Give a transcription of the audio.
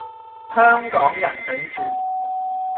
香港人頂住